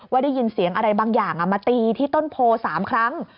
ได้ยินเสียงอะไรบางอย่างมาตีที่ต้นโพ๓ครั้ง